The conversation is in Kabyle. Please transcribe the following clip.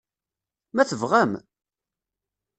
Ma tebɣam?